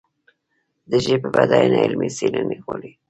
د ژبې بډاینه علمي څېړنې غواړي.